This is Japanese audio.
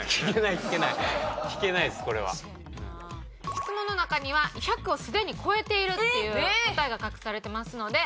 質問の中には１００をすでに超えているっていう答えが隠されてますので。